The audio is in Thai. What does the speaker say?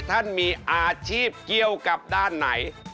ท่านมีอาชีพเกี่ยวกับด้านไหน